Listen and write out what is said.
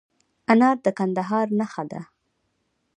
انار د کندهار نښه ده.